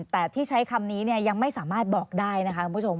แต่ที่ใช้คำนี้ยังไม่สามารถบอกได้นะคะคุณผู้ชม